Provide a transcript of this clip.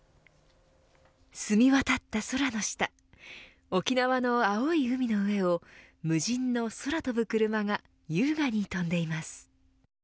澄み渡った空の下沖縄の青い海の上を無人の空飛ぶクルマが優雅に飛んでいます。